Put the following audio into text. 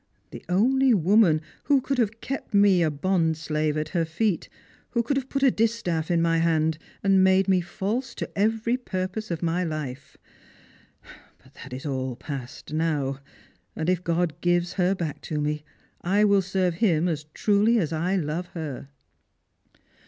The only woman who could have kept me a bond slave at her feet, who could have put a distaff in my hand, and made me false to every purpose of my life. But that is all past now, and if God gives her back to me I will serve Him as truly as I love her."